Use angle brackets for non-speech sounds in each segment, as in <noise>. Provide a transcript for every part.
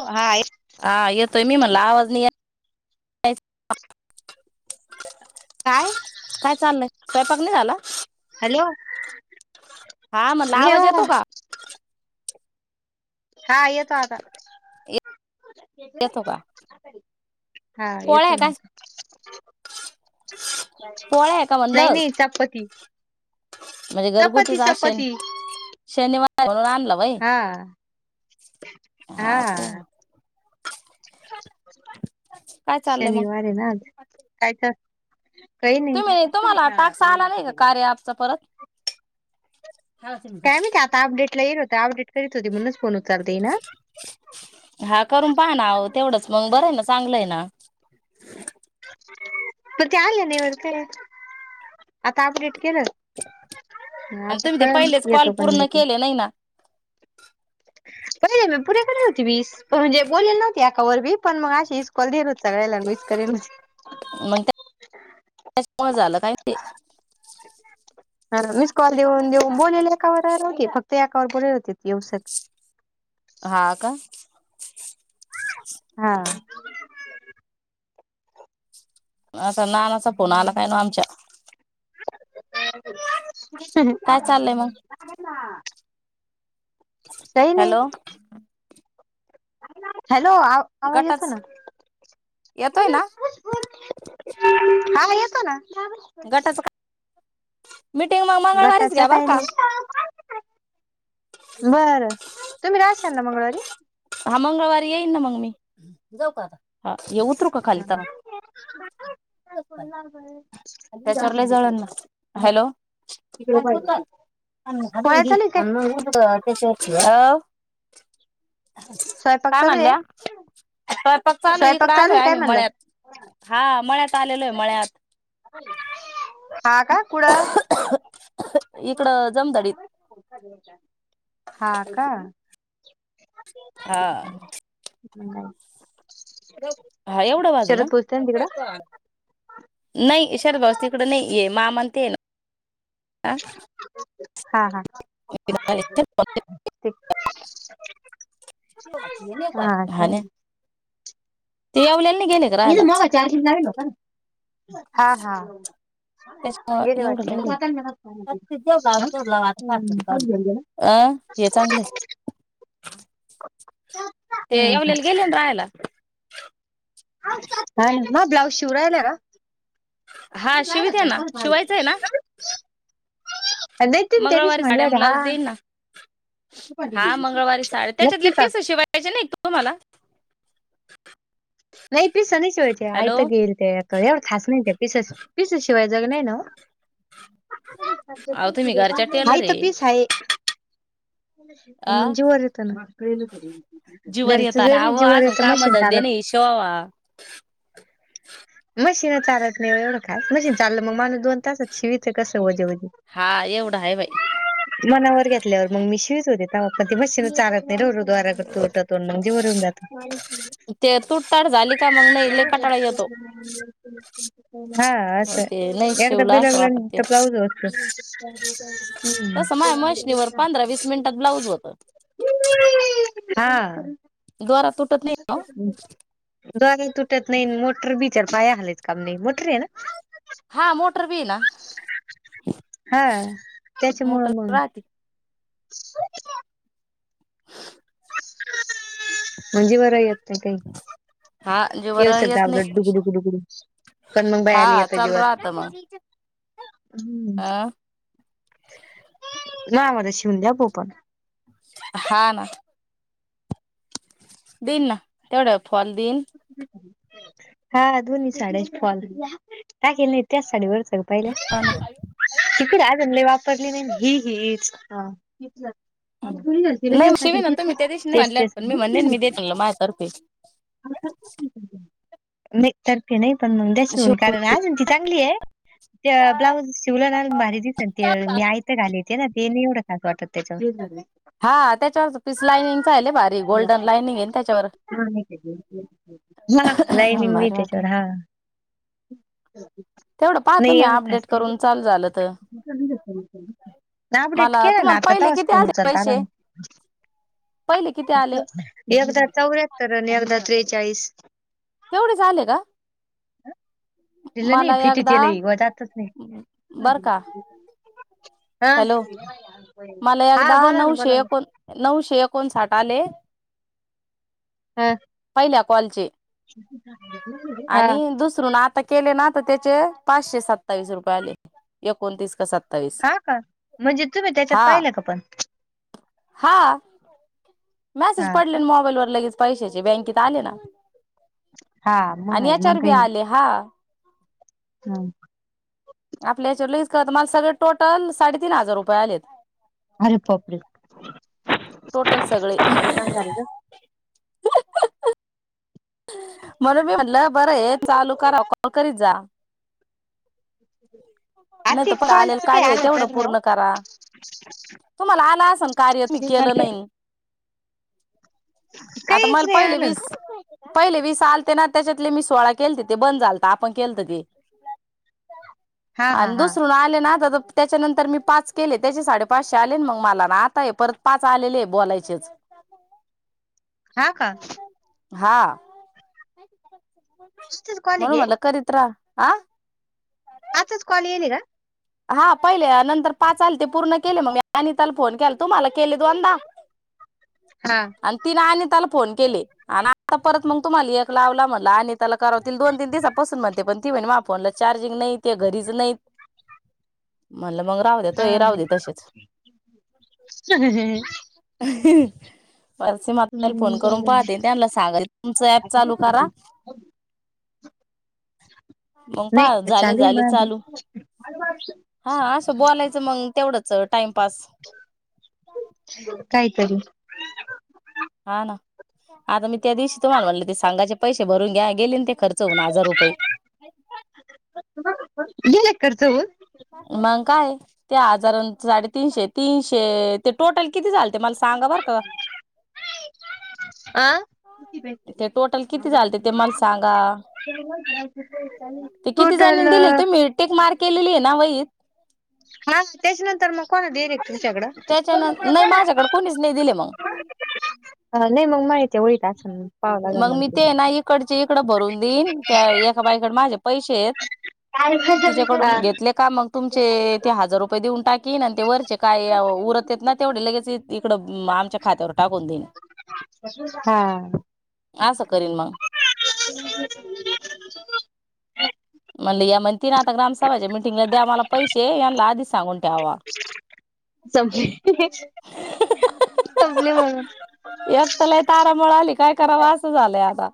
हा <unintelligible> ह येत म म्हलावाज न <inaudible> काय? सस्वयंपाक नाही झाला हॅलो हा म्हणला नाही आवाज हो येतो का हा येतो आता येतो का <inaudible> हा पोळ्या येतो आहे ना काय <inaudible> पोळ्या आहे का <inaudible> नाही म्हणलं नाही चपाती म्हणजे चपाती घरगुतीचा राशन चपाती <inaudible> शनी शनिवार म्हणून बा हा <unintelligible> हा का काय <inaudible> चाललंय मग शनिवारे ना काय का तुम्ही तुम्हाला टाकसा आला नाही का कार्य हॅपचा परत काय मीती आता अपडेट ला येईल होतता अपडेट करीत होती म्हणूनच फोन होत <inaudible> हा करून पाहा ना तेवढंच मग बरं न चांगलं आहे ना तर ते आले नाही वर ते आता अपडेट केलं आणि आता तुम्ही ते कळल पहिलेच कॉल येतो का नाही पूर्ण <unintelligible> येतो केले ना <inaudible> ी <unintelligible> पुरे करे होती वीस प म्हणजे बोलेल नव्हती एका वर बी मग अशी इसकॉल देत होत सगळ्याला वीस करेलजी <unintelligible> मग त्या <unintelligible> झालं काय ते हा मिस कॉल देऊन देऊन बोलेल एकावर की फक्त एकावर बोलेल होते व्यवस्थित हा का, हा, <unintelligible> असं ना नाचा फोन आला काय ना आमच्या काय चाललंय मग <unintelligible> सही नाही, हॅलो <unintelligible> हॅलो आवाज येतो गटाच ना, येतोय ना <unintelligible> हा येतो ना हम गटाच काही नाही बर तुम्ही रा हा मंगळवारी येईन ना मग मी जाऊ का ह ये उतरू का खाली त्याला त्याच्यावर जळण हॅलो तिकडे पाहि अी अठशची स्वयंपाक काय चालू आहे म्हनल्या पक् आलू इकड स्वयंपाक चालू आलोय आहे काय आम्ही म्हणलं मळ्यात हा मळ्यात आलेलोय मळ्यात हा का कुड इकडं जमदडीत हा का हा हा ह हा एवढं बाजू ना पोचते तिकडं नाही इशार भाऊस तिकडें नाही ये मा म्हणते येन हा हा ते हा हा काय ते येव इथ मगा चार लाल का हा हा त्याच्यामुळं बर एवढं वाट लय बाई अं हे चांगलं ते यावलल गेलेंद आयला म ब्लाउज शिवरायला का हा म शिवित लायलाच आहे नाही ना शिवायचं आहे कस ना झा मंगळवारी साड्या ब्लाउज हा देईन ना हा मंगळवारी साडे त्याच्यातली नक्की का फीसशीिवायची नाही तुम्हाला हा हा नाहीई पिसनिशवय तग येलतेय एवढ खास न नाहीयेते पिसेस पिसेशिवाय जग नाही ना अहो डच तुम्ही घरच्या टेलर आ तर पीस आहे आ पण मग जीवर येत ना जीवर घरच येता ना जरी अहो जीवर अजून येत काम मशीन धंदे चालत नाही शिवावा मशीन चालत नाही एवढं काास मशीन चाललं मग माण दोन तासात शिवित कसं वजेव हा एवढा आहे बाई मनावर घेतल्यावर मग मी शिवीच होते म मशशी चचाार निरर दवारा करतोठ तो म्हणजे वरून जात ते तुटताट झाली का मग नाही लय कटाळा येतो हा मग असं ते नाही आहे एकदा बी लागलं तर ब्लाउजत तस माझ्या मशनीवर पंधरा वीस मिनिटात ब्लाउज होत हा नाही द्वारा तुटत नाही मोटर बी च पाया हलेच काम नाही मोठ रे ना हा म मोटर बना हा त्याच्या मुळ मुळ राहते म्हणजे बर येत नाही काही हा जीवर केव शब्द येत आवलं नाही डुड डुड पण मग बाई हा आलीयता चालू जीवर राहत मग अं, ना मझ शिवून द्या पो पण हा ना दिल ना तेवढं फौल दीन हा दोन्ही साड्या फॉल कााकी नाही त्याच साडीवरर सग पाहिले हा ना तिकडे आहे ले वापरली नाही ही हीच नाही शिवे ना तुम्ही त्या दिवशी नाही म्हणल्यात तेचतेच पण मी म्हणले मी देत म्हणलं माझ्यातर्फे तरे नाही पण मग त्या्याश शिव होन कारण अजून ती चांगली आहे ब्लाऊज शिवलं ना भारी दिसनते मी आईत घाली ते ना तेने एवढं खास वाटत त्याच्यावर हा त्याच्यावर पीस लाइनिंग आहे लय भारी गोल्डन लाइनिंग आहे त्याच्यावर हा लाईनिंग बी भारी वाटल त्याच्यावर हा तेवढं पहा नाही तुम्ही एवढं अपडेट ख करून चालू झालं तर ना अपडेट मला केलं ना तुम्हाला आता पहिले तस किती फोन आले उचलता आला पैसे ना पहिले किती आले एकदा चौऱ्याहत्तर आणि एकदा त्रेचाळीस तेवढे चाले का दिलं नाही मला एकदा फिटीतलेव जातच बर नाही का हा हॅलो मला हा एकदा बोला ना नऊशे बोला ना एकोण नऊशे एकोणसाठ आले हा पाहिल्या कॉलचे हा आणि दुसर ना आता केले ना तर त्याचे पाचशे सत्तावीस रुपये आले एकोणतीस क स हा का म्हणजे तुम्ही त्याच्यात पाहिलं का पण हा मॅसेज हा पडले का मोबाईलवर लगेच पैशाचे बँकेत आले ना हा मग आणि आहे याच्यावर बी आले हा ह आपल्या या्याच्यावर लगच करत मला सगळे टोटल साडेतीन हजार रुपये आलेत अरे पपलिक टोटल सगळी ग. म्हणून मी म्हटलं बरं ये चालू करा कॉल करीत जा आ नाही ते तर पण आलेलं कॉलच काय कार्य आहे आलं तेवढं तर राव पूर्ण करा तुम्हाला आला असल कार्य मी केलं नाही आता काहीच मला नाही पहिले आलं वीस पहिले वीस आलते ना त्याच्यातले मी सोळा केलते ते बंद झालत आपण केलत ते हा हा आणि हा दुसर ना आले ना तर त्याच्यानंतर मी पाच केले त्याचे साडेपाचशे आले मग मला ना आता हे परत पाच आलेले आहे बोलायचेच हा का हा आजच कॉल म्हण घे मला करीत रहा अच्छाच कॉल येलरा हा पहिले नंतर पाच आले ते पूर्ण केले मग अनिताला त्याला फोन केला तुम्हाला केले दोनदा हा आणि तिने आनिताला फोन केले आणि आता परत मग तुम्हाला एक लावला म्हला आणि त्याला करावतील दोन तीन दिवसापसून म्हणते पण ती म्हणे मा फोनला चार्जिंग नाही घरीच नाहीत म्हणलं मग राहू द्या तो हा हे राह दे तसेच हम्म, परसि माता फोन करून बरं. पाहते त्यांना सांगा तुमचं ऍप चालू करा मंग पा नाही झाले चालू आहे झाले माझे चालू हा अस बोलायचं मग तेवढंच टाइमपास तरी हा ना आता मी त्या दिवशी तुम्हाला म्हले ते सांगायचे पैसे भरून घ्या गेले ते खर्च चौदा हजार रुपये कर्ज बघुन मग काय त्या हजारां साडेतीनशे तीनशे ते टोटल किती झाल ते मला सांगा बर का. आ? ते टोटल किती झाल ते ते मला सांगा. ते किती टोटल जणीनी दिले हा त टिक मार्क केलेली आहे ना वहित त्याच्यानंतर मग कोणा डिरेक्ट तुमच्याकडं त्याच्यान नाही माझ्याकडे कोणीच नाही दिले मग? नाही मग माहिती होईल असं पाहावं लागेल मग मी ते ना इकडचे इकड भरून देईन त्या एका बाइ तिच्याकडे माझे पैसे हा, तिच्याकडून घेतले का मग तुमचे ते हजार रुपये देऊन टाकीन ते वरचे काय उरतेत ना तेवढे लगेच इकडं आमच्या खात्यावर टाकून देईन. हा शअअअ म्हणले या म्हणतीन आता ग्रामसभाच्या म मिटिंगला द्या मला पैसे यांना आधी सांगून - संपले... संपले मग एकट्याला तारांबळ आली काय करावं असं झालंय आता.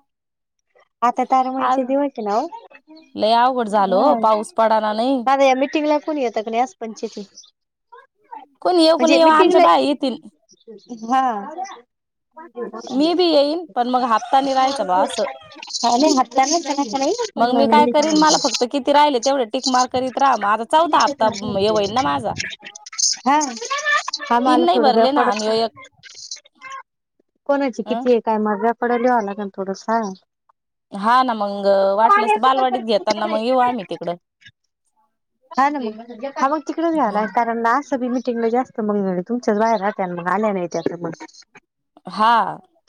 आता आज तारांबळीचे दिवस आहेत ना लय अवघड झालं ओ हो हा पाऊस पडाना नाही माझ या मिटिंगला कोणी येत का नाही अस पंचवीस, तीस कोणी येऊ न येऊ आमच्या बाई येतील हा हा मी बी येईन पण मग हप्तानी राहायच बा असं नाही हाताना त्यांना नाही मग पण मी काय करीन मला फक्त किती राहिले तेवढं टिकमार्क करीत राहा. मग आता चौथा हप्ता हे होईल ना माझा हा हा मला तीन नाही थोडं द्या भरले ना आणि पडत. एक कोणाची अ किती आहे? काय मागपुड लिहावं लागे ना थोडस. हा ना मग वाटलंस बालवाडीत घेताना मग येऊ आम्ही तिकडं हा ना म हा मग हा तिकडेला कारणना अस मीटिंग जास्त मग तुमच्याच बाहेर राहत्यान आणि मग आल्या नाही हा.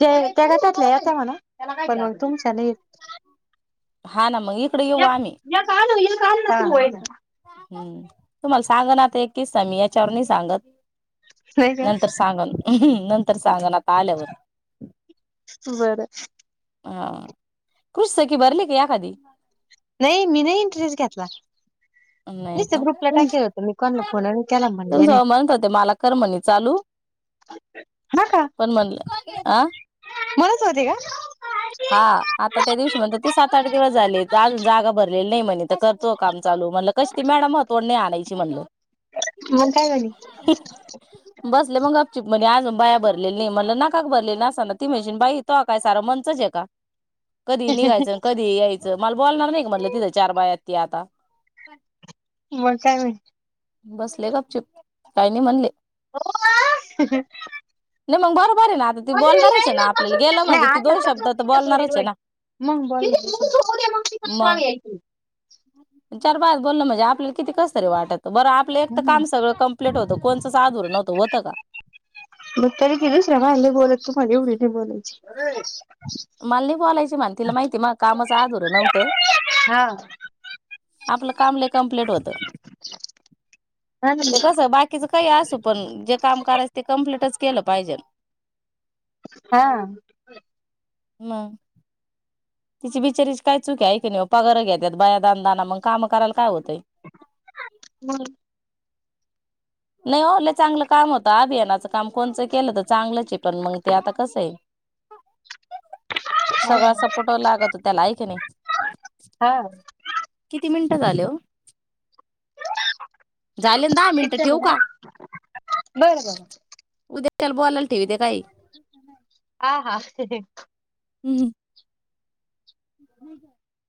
ते त्या करत्यात आता म्हणा पण तुमच्या नाही हा ना मग इकडे येऊ या आम्ही या काल होईल काल होईल हं तुम्हाला सांग ना आता एक किस्सा मी याच्यावर नाही सांगत. का नंतर सांगेन नंतर सांगेन आता आल्यावर बरं हा खृुश सकी भरली का एखादी नाही मी नाही इंटरेस्ट घेतला. श् नाही नुसतं का ग्रुपला टाकेल होतं मी कोणाला फोन नाही केला म्हणले तुमच नाही म्हणत होते मला कर म्हणले चालू पण म्हणलं अ आ मलाच होती का? शुअ हा आता त्या दिवशी म्हणत ते सात, आठ दिवस झाले जागा भरलेली नाही म्हणले तर करतो काम चालू म्हणून कशी त मॅडम महत्वाच नाही आणायची म्हणलं मग काय म्हणे बसले मग गपचूप म्हणेल अजून बाया भरलेली नाही म्हणला नका का भरलेली असना ती म्हणजे बाई तो काय सारा मनचच आहे का? कधी निघायचं, कधी यायचं, मला बोलणार नाही म्हटलं तिथं चार बाया ती आता? मग म बसले गप चुप काही नाही म्हणले नाही मग बरोबर आहे ना आता ती ये बोलणारच आहे ना आपल्याला गेला म्हणजे ती आता दोन शब्द तर बोलणारच आहे ना मग बोल मग चार बायकात बोललं म्हणजे आपल्याला किती कस तरी वाटातं बरं आपलं एक तर काम सगळं कंप्लीट होतं. कोणचंच अधुरं नव्हतं होतं का बघ तरी कच रवले बोलत तू माझ उढ हे बोलायचे मल्ली बोलायची म्हण तिला माहिती मग कामाचं आधुरं नव्हतं. हा आपलं काम लई कम्पलेट होत. ना, ते कस बाकीच काही असो. पण जे काम करायचं ते कमप्लीटच केलं पाहिजे. हा हम तिची बिचारीची काय चुक आहे की नाही. पगार घेतत बाया दानदाना मंग काम करायला काय होतय. नाही हो लई चांगलं काम होतं. अभियानाचं काम कोणचं केलं तर चांगलंच पण मग ते आता कसं आहे. सगळ्या सपोर्ट लागत हो त्याला ऐक नाही. हा किती मिनिट झाले हो झाले. दहा मिनिटं ठेवू बर का बर बोला ठवते काही. ते हम्म नाही काय